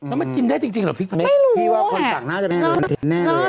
แล้วมันกินได้จริงเหรอพริกพันเม็ดพี่ว่าคนสั่งน่าจะแน่เลยแน่เลย